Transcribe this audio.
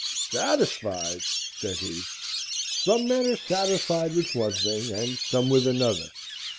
"Satisfied!" said he; "some men are satisfied with one thing, and some with another.